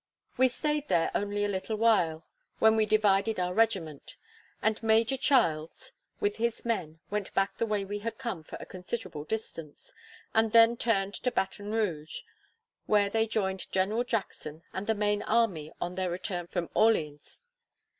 We staid there only a little while, when we divided our regiment; and Major Childs, with his men, went back the way we had come for a considerable distance, and then turned to Baton Rouge, where they joined General Jackson and the main army on their return from Orleans.